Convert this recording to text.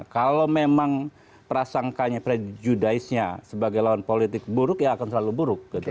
kalau memang prasangkanya prejudice nya sebagai lawan politik buruk ya akan selalu buruk